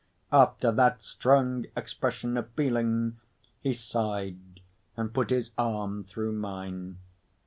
After that strong expression of feeling, he sighed, and put his arm through mine.